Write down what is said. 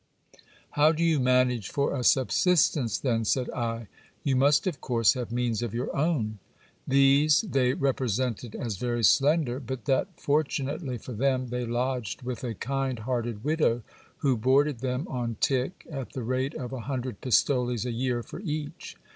How do you manage for a subsistence, then? said I. You must of course have means of your own. These they represented as very slender ; but that, fortunately for them, they lodged with a kind hearted widow, who boarded them on tick, at the rate of a hundred pistoles a year for each.